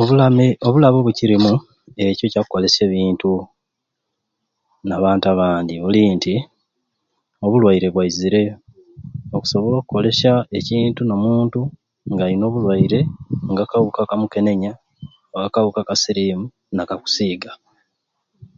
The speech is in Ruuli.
Obulame obulabe obukirimu ekyo ekyakukolesya ebintu nabantu abandi buli nti obulwaire bwazire okusobola okukolesya ekintu n'omuntu nga alina obulwaire nka akawuka ka mukenenya oba akawka ka sirimu nakakusiiga.